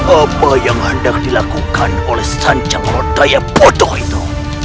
apa yang hendak dilakukan oleh sanjang rodaya bodoh itu